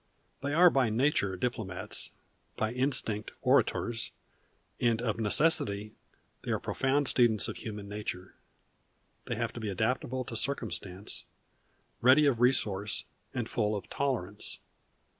They are by nature diplomats, by instinct orators, and of necessity they are profound students of human nature. They have to be adaptable to circumstance, ready of resource, and full of tolerance.